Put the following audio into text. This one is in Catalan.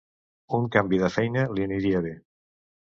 Un canvi de feina li aniria bé.